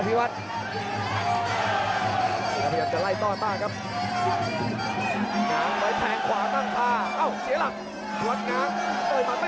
อร์ฟิวัทน์ง้างน์ต่อยมาไม่ถึงครับ